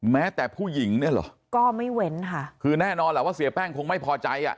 แม้แต่ผู้หญิงเนี่ยเหรอก็ไม่เว้นค่ะคือแน่นอนแหละว่าเสียแป้งคงไม่พอใจอ่ะ